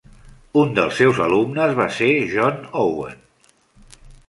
Un dels seus alumnes va ser John Owen.